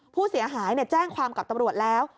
ผู้เสียหายแจ้งความกับตำรวจแล้ว